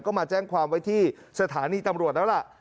ก็มาแจ้งความไว้ที่สถานีตำรวจแล้วล่ะ